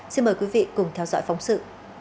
xin mời quý vị cùng theo dõi phóng sự